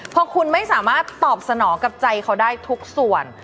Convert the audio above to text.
พอคุณไม่สามารถตอบสนองกับใจเขาได้ทุกส่วน